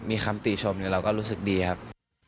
มีคำตีชมเราก็รู้สึกดีครับ